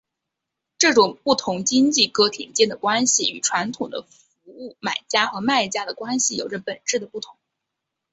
这种不同经济个体间的关系与传统的服务买家和卖家的关系有着本质的不同。